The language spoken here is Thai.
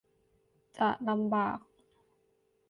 จะลำบาก